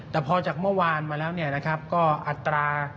แต่พอจากเมื่อวานมาแล้วเนี่ยนะครับก็อัตรา